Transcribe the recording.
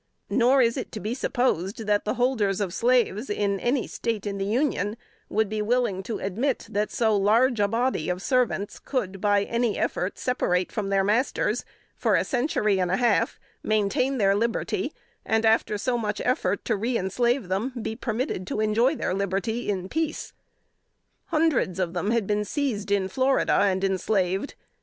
Nor is it to be supposed that the holders of slaves in any State of the Union, would be willing to admit that so large a body of servants could, by any effort, separate from their masters, for a century and a half maintain their liberty, and after so much effort to reënslave them, be permitted to enjoy liberty in peace. Hundreds of them had been seized in Florida and enslaved.